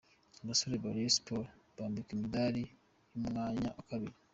Abasore ba Rayon Sports bambikwa imidari y’umwanya wa kabiri.